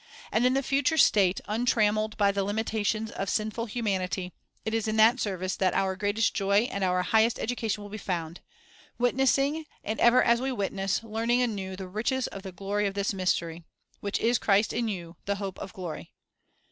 And in the future state, uhtrammeled by the limitations of sinful humanity, it is in service that our greatest joy and our highest education will be found; — witnessing, and ever as we witness learning anew "the riches of the glory of this mystery;" "which is Christ in you, the hope of glory."